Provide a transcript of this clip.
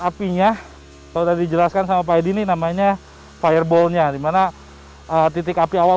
apinya sudah dijelaskan sama pak edi ini namanya fireball nya dimana titik api awal